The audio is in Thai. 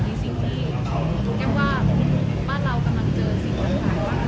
นี่ซิ่งที่แกมาว่าบ้านเรากำลังเจอสิ่งกำลัง